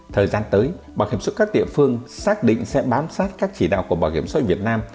thời gian tới bảo hiểm số các địa phương xác định sẽ bám sát các chỉ đạo của bảo hiểm số việt nam